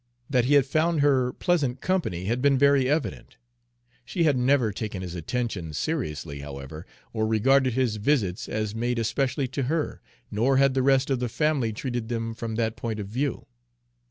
That he had found her pleasant company had been very evident. She had never taken his attentions seriously, however, or regarded his visits as made especially to her, nor had the rest of the family treated them from that point of view.